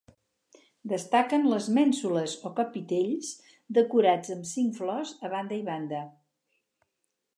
Destaquen les mènsules o capitells decorats amb cinc flors a banda i banda.